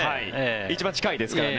一番近いですからね。